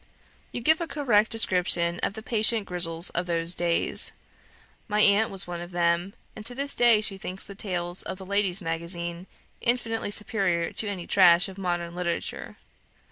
You give a correct description of the patient Grisels of those days. My aunt was one of them; and to this day she thinks the tales of the 'Ladies' Magazine' infinitely superior to any trash of modern literature.